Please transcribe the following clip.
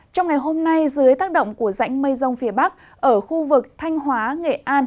trong ngày hôm nay dưới tác động của rãnh mây rông phía bắc ở khu vực thanh hóa nghệ an